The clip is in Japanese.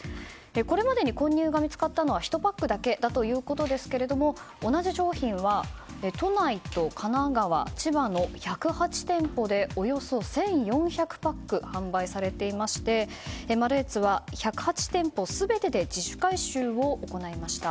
これまでに混入が見つかったのは１パックだけということですが同じ商品は都内と神奈川、千葉の１０８店舗でおよそ１４００パック販売されていましてマルエツは１０８店舗全てで自主回収を行いました。